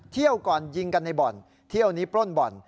เที่ยวก่อนยิงกันในบ่อนเที่ยวนี้ปล้นบ่อน